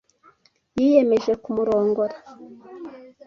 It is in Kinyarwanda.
Yiyemeje kumurongora.